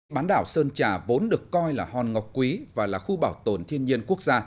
bán đảo sơn trà vốn được coi là hòn ngọc quý và là khu bảo tồn thiên nhiên quốc gia